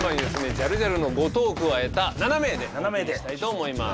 ジャルジャルの後藤を加えた７名でお送りしたいと思います。